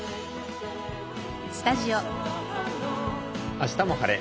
「あしたも晴れ！